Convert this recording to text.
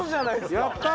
やったー！